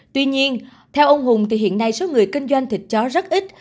tuy nhiên theo ông hùng thì hiện nay số người kinh doanh thịt chó rất ít